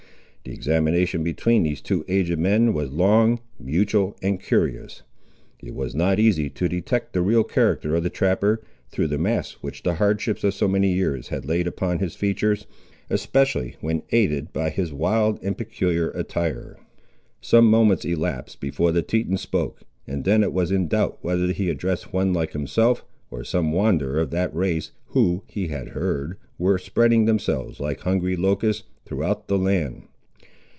The examination between these two aged men was long, mutual, and curious. It was not easy to detect the real character of the trapper, through the mask which the hardships of so many years had laid upon his features, especially when aided by his wild and peculiar attire. Some moments elapsed before the Teton spoke, and then it was in doubt whether he addressed one like himself, or some wanderer of that race who, he had heard, were spreading themselves, like hungry locusts, throughout the land.